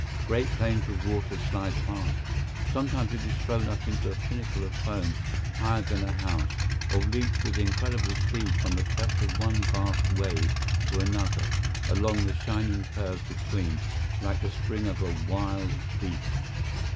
Great planes of water slide past. Sometimes it is thrown up into a pinnacle of foam higher than a house, or leaps with incredible speed from the crest of one vast wave to another, along the shining curve between, like the spring of a wild beast.